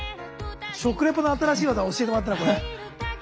食レポの新しい技教えてもらったなこれ。